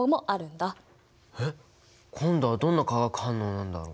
えっ今度はどんな化学反応なんだろう？